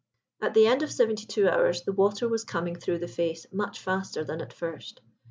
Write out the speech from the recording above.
At the end of seventy two hours the water was coming through the face much faster than at first.